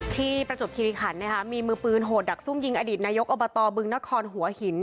ประจวบคิริขันนะคะมีมือปืนโหดดักซุ่มยิงอดีตนายกอบตบึงนครหัวหิน